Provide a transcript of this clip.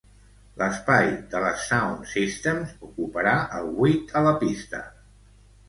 L'espai de les Sounds Systems ocuparà el buit a la pista.